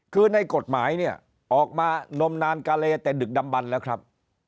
คือในกฎหมายเนี่ยออกมานมนานกาเลแต่ดึกดำบันแล้วครับ